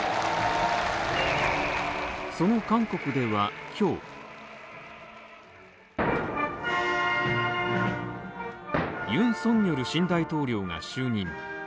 その韓国では今日ユン・ソンニョル新大統領が就任。